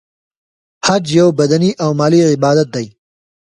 حج یو بدنې او مالی عبادت دی .